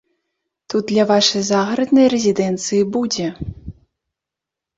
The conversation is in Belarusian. Тут для вашай загараднай рэзідэнцыі будзе.